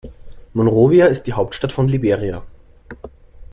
Monrovia ist die Hauptstadt von Liberia.